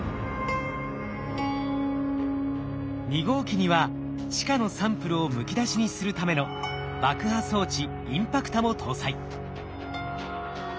２号機には地下のサンプルをむき出しにするための爆破装置インパクタも搭載。